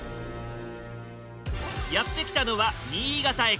やって来たのは新潟駅。